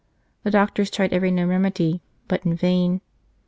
The doctors tried every known remedy, but in vain.